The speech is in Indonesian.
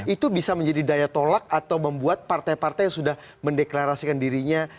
itu bisa menjadi daya tolak atau membuat partai partai yang sudah mendeklarasikan dirinya